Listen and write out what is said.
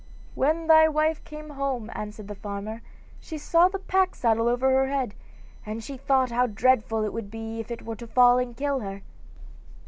'When thy wife came home,' answered the farmer, 'she saw the pack saddle over her head, and she thought how dreadful it would be if it were to fall and kill her.